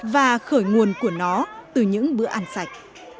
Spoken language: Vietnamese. và khởi nguồn của nó từ những bữa ăn sạch